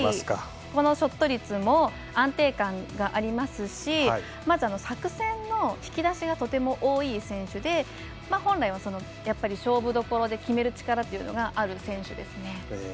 やはりショット率も安定感がありますしまず作戦の引き出しがとても多い選手で本来は勝負どころで決める力というのがある選手ですね。